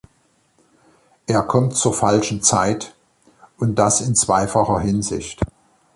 Er kommt zur falschen Zeit, und das in zweifacher Hinsicht.